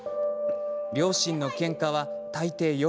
両親のけんかは大抵、夜。